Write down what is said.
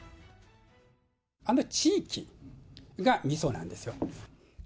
あの地域がみそなんですよ。